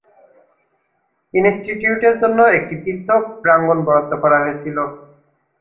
ইনস্টিটিউটের জন্য একটি পৃথক প্রাঙ্গণ বরাদ্দ করা হয়েছিল।